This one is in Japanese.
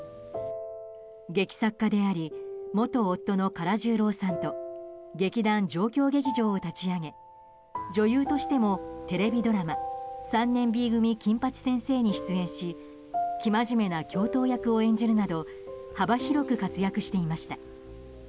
劇作家であり、元夫の唐十郎さんと劇団、状況劇場を立ち上げ女優としてもテレビドラマ「３年Ｂ組金八先生」に出演しきまじめな教頭役を演じるなど幅広く活躍していました。